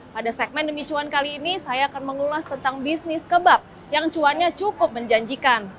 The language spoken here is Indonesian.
pada segmen demi cuan kali ini saya akan mengulas tentang bisnis kebab yang cuannya cukup menjanjikan